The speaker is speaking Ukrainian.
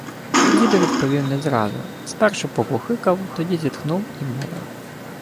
Дідо відповів не зразу. Спершу побухикав, тоді зітхнув і мовив: